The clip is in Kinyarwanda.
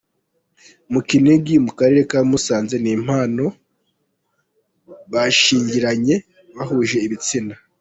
mu Kinigi mu Karere ka Musanze ni impano. bashyingiranwe bahuje ibitsina.